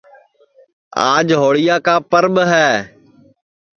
آج ہوݪیا کا پرٻ ہے